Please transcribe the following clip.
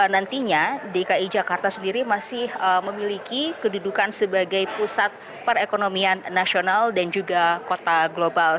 nantinya dki jakarta sendiri masih memiliki kedudukan sebagai pusat perekonomian nasional dan juga kota global